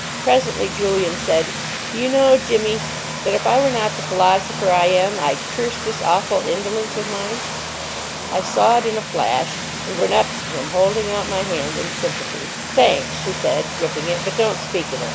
Presently Julian said, "Do you know, Jimmy, that if I were not the philosopher I am, I'd curse this awful indolence of mine." I saw it in a flash, and went up to him holding out my hand in sympathy. "Thanks," he said, gripping it; "but don't speak of it.